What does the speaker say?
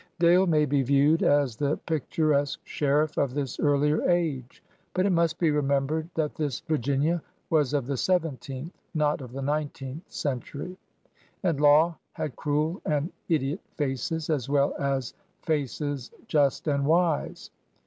Dale may be viewed as the picturesque sheriff of this earlier age. Sm THOMAS DALE 79 But it must be remembered that this Virginia was of the seventeenth, not of the nineteenth cen tury. And law had cruel and idiot faces as well as faces just and wise.